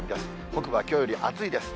北部はきょうより暑いです。